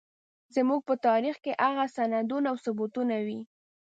زموږ په تاريخ کې هغه سندونه او ثبوتونه وي.